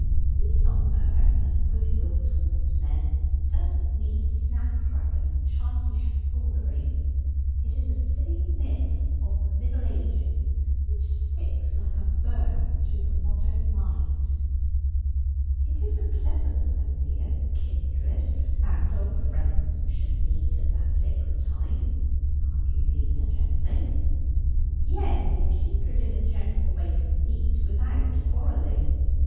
Peace on earth and goodwill towards men doesn't mean snapdragon and childish foolery. It is a silly myth of the Middle Ages, which sticks like a burr to the modern mind.' 'It is a pleasant idea that kindred and old friends should meet at that sacred time,' argued Lina gently. ' Yes, if kindred in a general way could meet without quarrel ling.